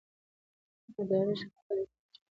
اداري شفافیت اعتماد جوړوي